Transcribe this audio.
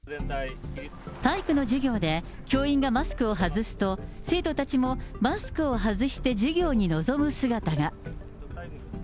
体育の授業で教員がマスクを外すと、生徒たちもマスクを外して授業に臨む姿が。